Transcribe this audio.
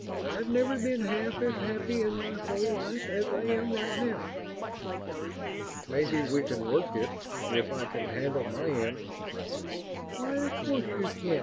I've never been half as happy in my whole life as I am right now!" "Maybe we can work it if I can handle my end." "Why, of course you can!